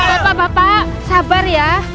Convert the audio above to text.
bapak bapak sabar ya